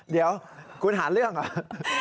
เดี๋ยวคุณหาเรื่องเหรอ